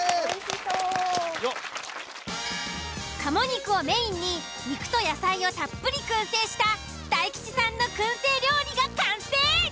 鴨肉をメインに肉と野菜をたっぷり燻製した大吉さんの燻製料理が完成！